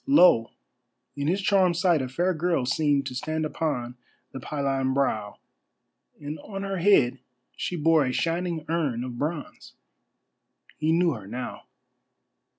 Lo! in his charmed sight a fair girl seemed to stand upon the pylon brow, and on her head she bore a shining urn of bronze. He knew her now.